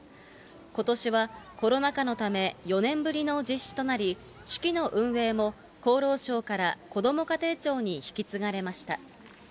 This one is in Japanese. ことしはコロナ禍のため、４年ぶりの実施となり、式の運営も厚労省からこども家庭庁に引き継がれました。